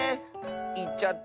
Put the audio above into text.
いっちゃった。